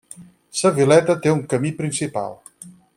Sa Vileta té un camí principal.